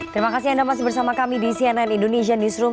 terima kasih anda masih bersama kami di cnn indonesia newsroom